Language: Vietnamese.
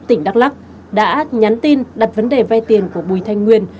tỉnh đắk lắc đã nhắn tin đặt vấn đề vay tiền của bùi thanh nguyên